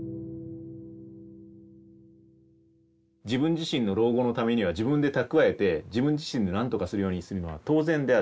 自分自身の老後のためには自分で蓄えて自分自身で何とかするようにするのは当然である。